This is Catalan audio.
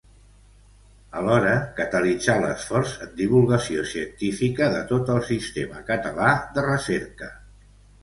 Alhora, catalitzar l'esforç en divulgació científica de tot el sistema català de recerca.